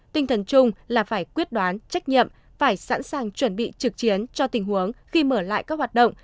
tinh thần chung là phải quyết đoán trách nhiệm phải sẵn sàng chuẩn bị trực chiến cho tình huống khi mở lại các hoạt động